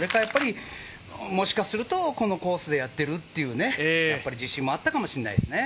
もしかすると、このコースでやっているっていう自信もあったかもしれないですね。